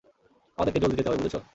আমাদেরকে জলদি যেতে হবে, বুঝেছো?